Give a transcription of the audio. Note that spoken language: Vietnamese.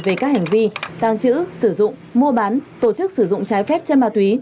về các hành vi tàng trữ sử dụng mua bán tổ chức sử dụng trái phép chân ma túy